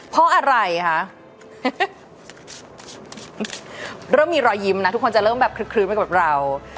เพราะอะไรคะเริ่มมีรอยยิ้มนะทุกคนจะเริ่มแบบคลึกไปกว่าเรา